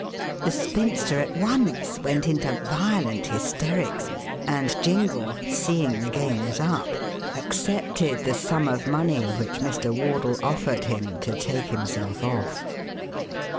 The spinster at once went into violent hysterics, and Jingle, seeing the game was up, accepted the sum of money which Mr. Wardle offered him to take himself off.